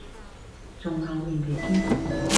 仲厚面皮啲